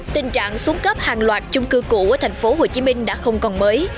tình trạng xuống cấp hàng loạt chung cư cũ ở thành phố hồ chí minh đã không còn mới